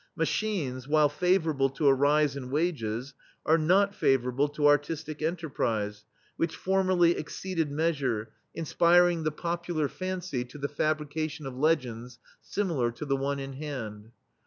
Machines, while favorable to a rise in wages, are not favorable to artistic en terprise, which formerly exceeded mea sure, inspiring the popular fancy to the THE STEEL FLEA fabrication of legends similar to the one in hand.